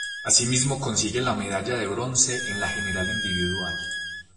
Asimismo consigue la medalla de bronce en la general individual.